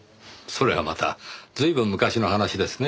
それはまた随分昔の話ですね。